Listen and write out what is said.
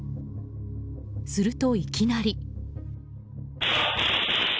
すると、いきなり。